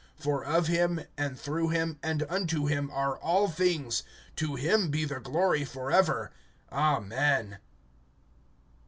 (36)For of him, and through him, and unto him, are all things; to him be the glory forever. Amen.